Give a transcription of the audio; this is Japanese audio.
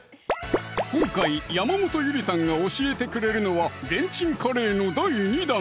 今回山本ゆりさんが教えてくれるのはレンチンカレーの第２弾！